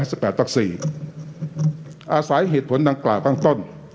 อาศัยเกี่ยวกับเหตุผลดังกล่าวแปลงต้น